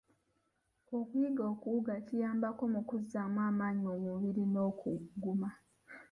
Okuyiga okuwuga kiyambako mu kuzzaamu amaanyi mu mubiri n'okuguma.